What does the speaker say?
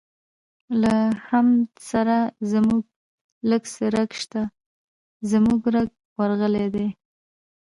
له حمد سره زموږ لږ څه رګ شته، زموږ رګ ورغلی دی.